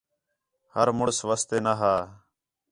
ہر مُݨس واسطے نا ہا